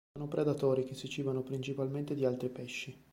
Sono predatori che si cibano principalmente di altri pesci.